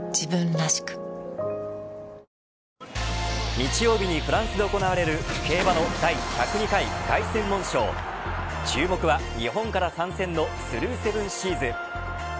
日曜日にフランスで行われる競馬の第１０２回凱旋門賞注目は日本から参戦のスルーセブンシーズ。